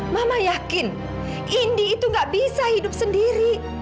mama yakin indi itu gak bisa hidup sendiri